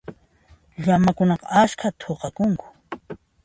Llamakunaqa askhata thuqakunku.